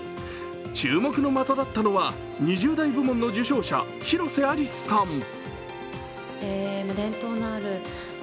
注目の的だったのは、２０代部門の受賞者、広瀬アリスさん。